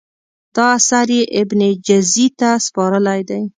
دا اثر یې ابن جزي ته سپارلی دی.